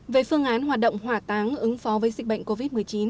về phương án hoạt động hỏa táng ứng phó với dịch bệnh covid một mươi chín